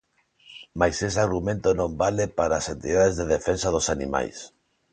Mais ese argumento non vale para as entidades de defensa dos animais.